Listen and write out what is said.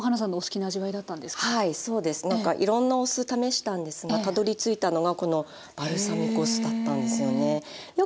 なんかいろんなお酢試したんですがたどりついたのがこのバルサミコ酢だったんですよね。